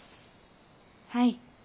はい。